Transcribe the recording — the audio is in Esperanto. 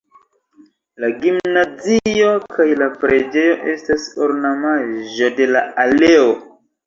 La gimnazio kaj la preĝejo estas ornamaĵo de la aleo.